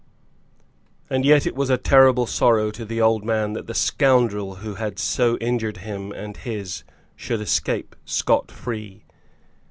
And yet it was a terrible sorrow to the old man that the scoundrel who had so injured him and his should escape scot free.